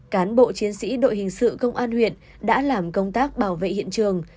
cán bộ chiến sĩ đội hình sự công an huyện đã làm công tác bảo vệ hiện trường